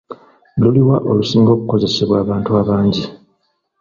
Luli wa olusinga okukozesebwa abantu abangi?